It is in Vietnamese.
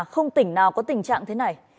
không tỉnh nào có tình trạng thế này